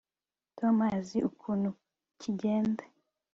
Tom azi ikintu kigenda